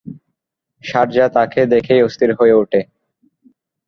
শারযা তাকে দেখেই অস্থির হয়ে ওঠে।